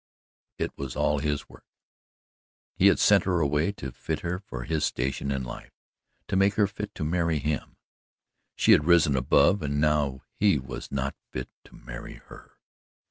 It was all his work. He had sent her away to fit her for his station in life to make her fit to marry him. She had risen above and now HE WAS NOT FIT TO MARRY HER.